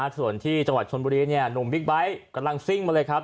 ส่วนที่จังหวัดชนบุรีหนุ่มบิ๊กไบท์กำลังซิ่งมาเลยครับ